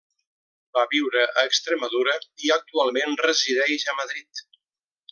Va viure a Extremadura i actualment resideix a Madrid.